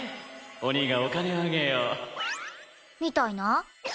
お兄がお金あげよう。みたいな？